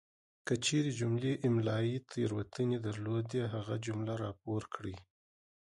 کچیري جملې املائي تیروتنې درلودې هغه جمله راپور کړئ!